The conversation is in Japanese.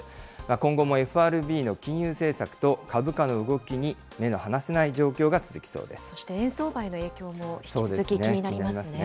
今後もＦＲＢの金融政策と株価の動きに、目の離せない状況が続きそして円相場への影響も引き続き、気になりますね。